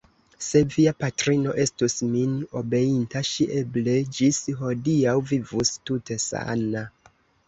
Se via patrino estus min obeinta, ŝi eble ĝis hodiaŭ vivus tute sana.